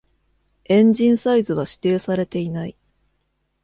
エンジンサイズは指定されていない。